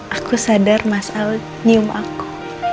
aku sadar mas al nyium aku